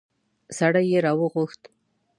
سړی يې راوغوښت.